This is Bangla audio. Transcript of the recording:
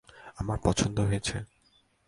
আমার পছন্দ হয়েছে।